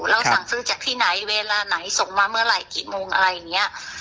เราสั่งซื้อจากที่ไหนเวลาไหนส่งมาเมื่อไหร่กี่โมงอะไรอย่างนี้